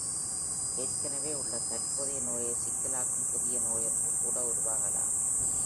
ஏற்கனவே உள்ள தற்போதைய நோயை சிக்கலாக்கும் புதிய நோய் ஒன்று கூட உருவாகலாம்.